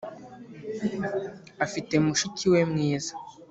afite mushiki we mwiza